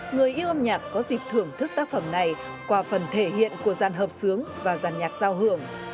người yêu âm nhạc có dịp thưởng thức tác phẩm này qua phần thể hiện của gian hợp sướng và giàn nhạc giao hưởng